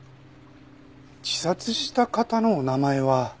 自殺した方のお名前は？